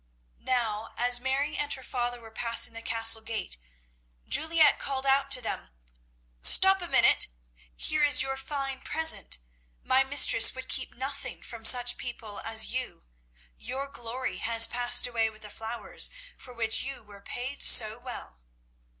Now, as Mary and her father were passing the Castle gate, Juliette called out to them, "Stop a minute. Here is your fine present; my mistress would keep nothing from such people as you. Your glory has passed away with the flowers for which you were paid so well."